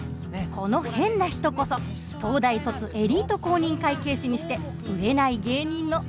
この変な人こそ東大卒エリート公認会計士にして売れない芸人のわたび。